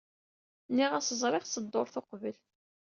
Nniɣ-as ẓriɣ-tt dduṛt uqbel.